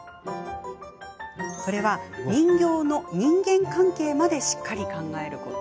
それは、人形の人間関係までしっかり考えること。